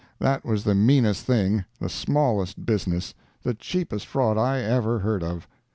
That was the meanest thing, the smallest business, the cheapest fraud I ever heard of.